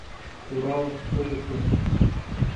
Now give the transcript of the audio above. Куралын огыт керт.